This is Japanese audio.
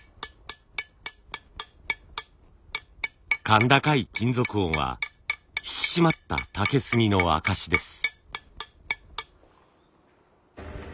甲高い金属音は引き締まった竹炭の証しです。